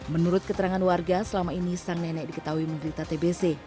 menurut keterangan warga selama ini sang nenek diketahui menderita tbc